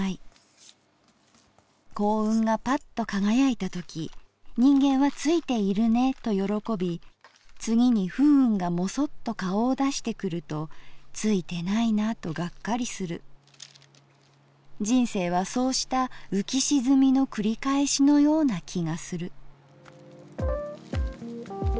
幸運がパッと輝いたとき人間はツイているねと喜び次に不運がモソッと顔を出してくるとツイてないなとがっかりする人生はそうした浮沈のくり返しのような気がする」。